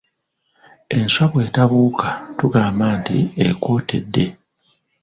Enswa bwe tabuuka tugamba nti ekootedde.